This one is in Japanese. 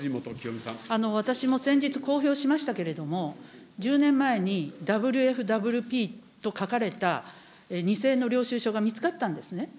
私も先日、公表しましたけれども、１０年前にＷＦＷＰと書かれた２０００円の領収書が見つかったんですね。